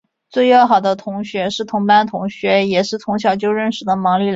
最要好的朋友是同班同学也是从小就认识的毛利兰。